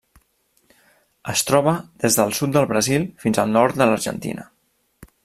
Es troba des del sud del Brasil fins al nord de l'Argentina.